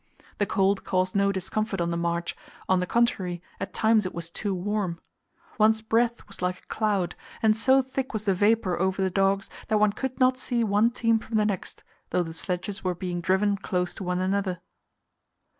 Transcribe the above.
The cold caused no discomfort on the march; on the contrary, at times it was too warm. One's breath was like a cloud, and so thick was the vapour over the dogs that one could not see one team from the next, though the sledges were being driven close to one another.